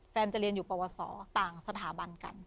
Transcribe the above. จะเรียนอยู่ปวสอต่างสถาบันกัน